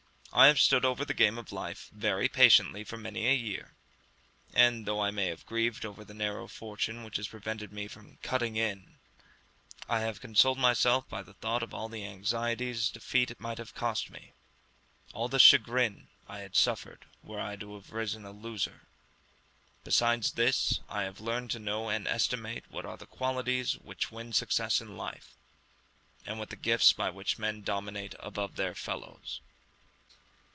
I have stood over the game of life very patiently for many a year, and though I may have grieved over the narrow fortune which has prevented me from "cutting in," I have consoled myself by the thought of all the anxieties defeat might have cost me, all the chagrin I had suffered were I to have risen a loser. Besides this, I have learned to know and estimate what are the qualities which win success in life, and what the gifts by which men dominate above their fellows.